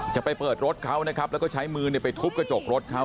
จะไปเปิดรถเขานะครับแล้วก็ใช้มือไปทุบกระจกรถเขา